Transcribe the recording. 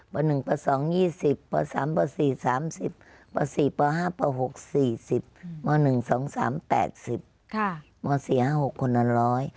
พอหนึ่งพอ๒๒๐พอ๓พอ๔๓๐พอ๔พอ๕พอ๖๔๐พอ๑๒๓๘๐พอ๔๕๖คนละร้อย